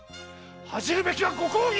恥じるべきはご公儀！